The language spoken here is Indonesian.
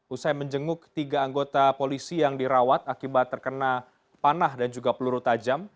usai menjenguk tiga anggota polisi yang dirawat akibat terkena panah dan juga peluru tajam